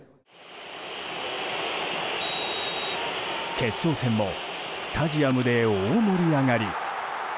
決勝戦もスタジアムで大盛り上がり。